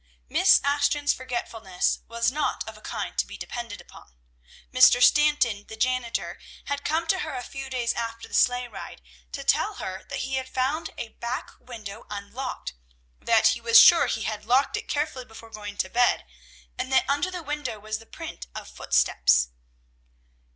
Miss Ashton's forgetfulness was not of a kind to be depended upon. Mr. Stanton, the janitor, had come to her a few days after the sleigh ride to tell her that he had found a back window unlocked; that he was sure he had locked it carefully before going to bed, and that under the window was the print of footsteps.